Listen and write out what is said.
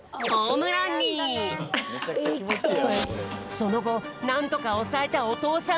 そのごなんとかおさえたおとうさん。